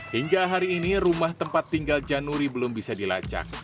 hingga hari ini rumah tempat tinggal januri belum bisa dilacak